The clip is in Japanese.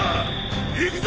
行くぞ！